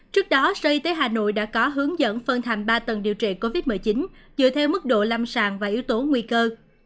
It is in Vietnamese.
trước đó sở y tế hà nội đã có hướng dẫn phân thành ba tầng điều trị covid một mươi chín dựa theo mức độ lâm sàng và yếu tố nguy cơ